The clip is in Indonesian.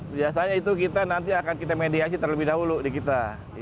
biasanya itu kita nanti akan kita mediasi terlebih dahulu di kita